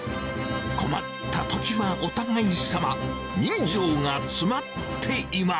困ったときはお互いさま。